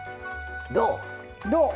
どう？